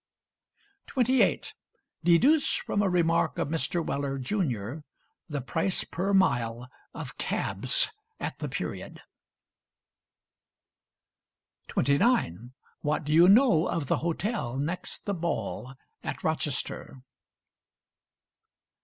28. Deduce from a remark of Mr. Weller, junr., the price per mile of cabs at the period. 29. What do you know of the hotel next the Ball at Rochester?